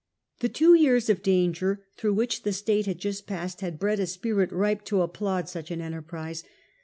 The two years of danger through which the State had just passed had bred a spirit ripe to applaud such an enterprise.